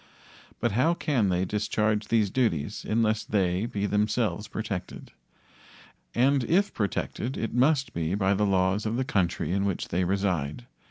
But how can they discharge these duties unless they be themselves protected? And if protected it must be by the laws of the country in which they reside.